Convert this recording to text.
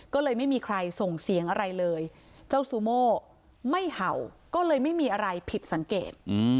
ก็เลยไม่มีใครส่งเสียงอะไรเลยเจ้าซูโม่ไม่เห่าก็เลยไม่มีอะไรผิดสังเกต